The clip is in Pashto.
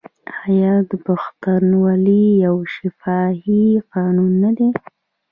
آیا پښتونولي یو شفاهي قانون نه دی؟